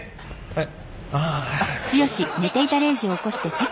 はい。